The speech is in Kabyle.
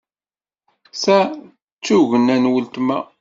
Ta d tugna n weltma.